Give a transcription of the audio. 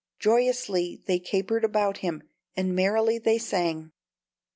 Joyously they capered about him, and merrily they sang.